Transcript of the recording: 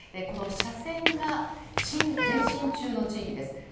この斜線が前進中の地域です。